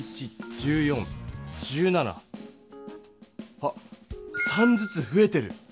あっ３ずつふえてる。